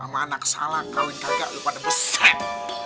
sama anak salah kawin kagak lo pada beset